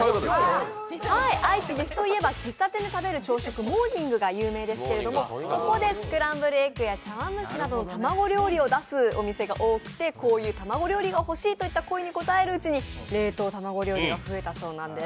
愛知、岐阜と言えば喫茶店で食べるモーニングが有名ですが、そこでスクランブルエッグや茶わん蒸しなど、卵料理を出すお店が多くてこういう卵料理が欲しいという声に応えていくうちに冷凍卵料理が増えたそうなんです。